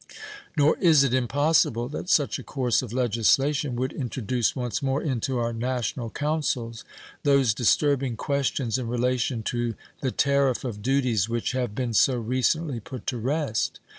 Nor is it impossible that such a course of legislation would introduce once more into our national councils those disturbing questions in relation to the tariff of duties which have been so recently put to rest.